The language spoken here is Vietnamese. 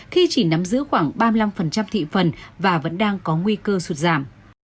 khi chỉ nắm giữ khoảng ba mươi năm thị phần và vẫn đang có nguy cơ sụt giảm